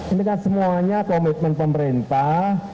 ini kan semuanya komitmen pemerintah